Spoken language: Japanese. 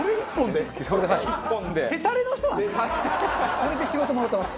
これで仕事もらってます。